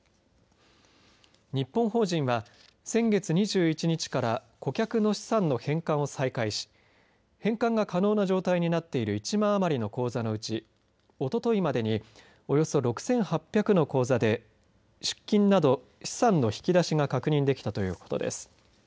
日本法人は、先月２１日から顧客の資産の返還を再開し返還が可能な状態になっている１万余りの口座のうちおとといまでにおよそ６８００の口座で出金など資産の引き出しが確認できたということです。